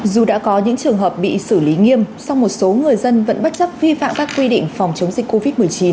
dù đã có những trường hợp bị xử lý nghiêm song một số người dân vẫn bất chấp vi phạm các quy định phòng chống dịch covid một mươi chín